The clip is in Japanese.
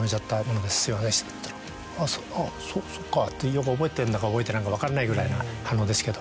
よく覚えてんだか覚えてないか分かんないぐらいな反応ですけど。